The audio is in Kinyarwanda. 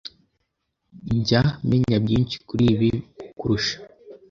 Njya menya byinshi kuri ibi kukurusha.